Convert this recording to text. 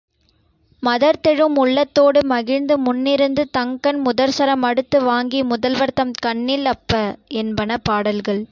மதர்த்தெழும் உள்ளத்தோடு மகிழ்ந்து முன்னிருந்து தங்கண் முதற்சரம் அடுத்து வாங்கி முதல்வர்தம் கண்ணில் அப்ப, என்பன பாடல்கள்.